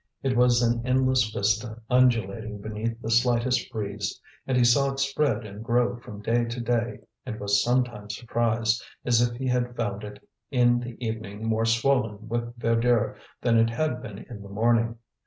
It was an endless vista undulating beneath the slightest breeze; and he saw it spread and grow from day to day, and was sometimes surprised, as if he had found it in the evening more swollen with verdure than it had been in the morning.